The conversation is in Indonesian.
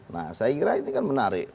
nah saya kira ini kan menarik